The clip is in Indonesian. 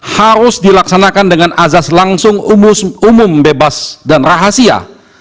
harus dilaksanakan dengan azas langsung umum bebas dan rahasia